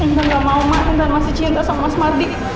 intan gak mau mak intan masih cinta sama mas mardi